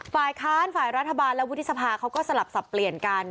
ฝ่ายค้านฝ่ายรัฐบาลและวุฒิสภาเขาก็สลับสับเปลี่ยนกัน